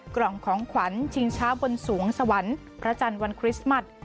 กล่องของขวัญชิงช้าบนสวงสวรรค์พระจันทร์วันคริสต์มัส